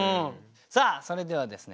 それではですね